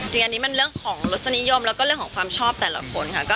จริงอันนี้มันเรื่องของรสนิยมแล้วก็เรื่องของความชอบแต่ละคนค่ะ